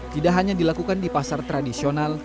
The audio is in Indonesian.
tidak hanya dilakukan di pasar tradisional